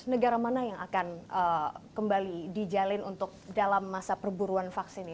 negara mana yang akan kembali dijalin untuk dalam masa perburuan vaksin ini